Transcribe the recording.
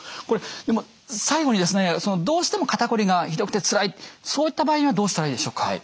これ最後にですねどうしても肩こりがひどくてつらいそういった場合にはどうしたらいいでしょうか？